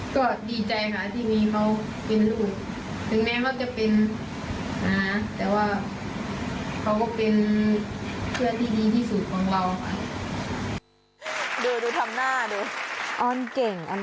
ก็ดีใจค่ะที่มีเขาเป็นลูก